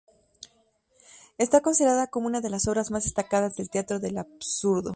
Está considerada como una de las obras más destacadas del Teatro del absurdo.